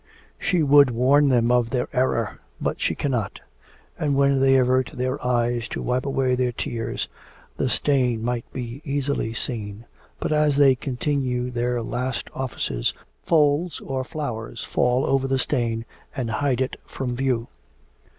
She would warn them of their error, but she cannot; and when they avert their faces to wipe away their tears, the stain might be easily seen, but as they continue their last offices, folds or flowers fall over the stain and hide it from view.